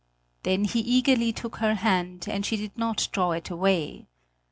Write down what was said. Then he eagerly took her hand, and she did not draw it away.